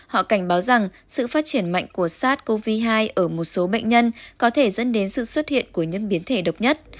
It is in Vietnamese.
họ cảnh báo rằng sự phát triển mạnh của sars cov hai ở một số bệnh nhân có thể dẫn đến sự xuất hiện của những biến thể độc nhất